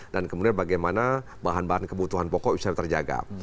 dan kemudian bagaimana bahan bahan kebutuhan pokok bisa terjaga